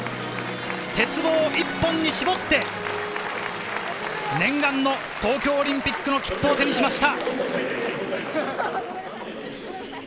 鉄棒一本に絞って、念願の東京オリンピックの切符を手にしました！